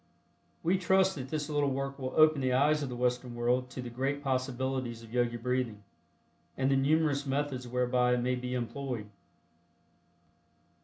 We trust that this little work will open the eyes of the Western world to the great possibilities of Yogi Breathing, and the numerous methods whereby it may be employed.